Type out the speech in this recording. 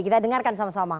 kita dengarkan sama sama